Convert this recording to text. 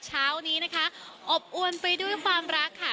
เช้านี้นะคะอบอวนไปด้วยความรักค่ะ